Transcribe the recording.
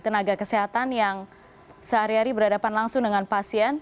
tenaga kesehatan yang sehari hari berhadapan langsung dengan pasien